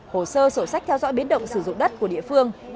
hồ sơ sổ sách theo dõi biến động sử dụng đất của địa phương